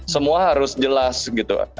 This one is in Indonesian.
semua harus jelas gitu